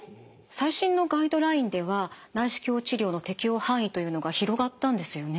最新のガイドラインでは内視鏡治療の適応範囲というのが広がったんですよね？